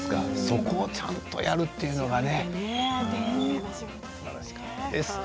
そこをちゃんとやるというのがねすばらしかったです。